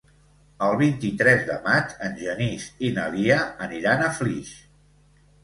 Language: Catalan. El vint-i-tres de maig en Genís i na Lia aniran a Flix.